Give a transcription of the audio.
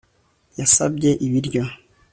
Yasabye ibiryo